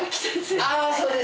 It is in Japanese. ああそうです